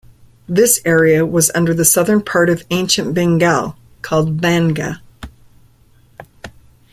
This area was under the southern part of ancient Bengal called Vanga.